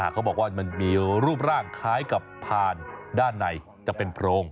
เขาบอกว่ามันมีรูปร่างคล้ายกับผ่านด้านในจะเป็นโพรง